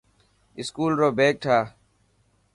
اسڪول رو بيگ ٺاهه.